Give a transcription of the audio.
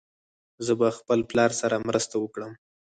زه به خپل پلار سره مرسته وکړم.